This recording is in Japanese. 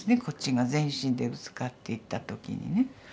こっちが全身でぶつかっていった時にね。